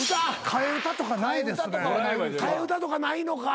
替え歌とかないのか。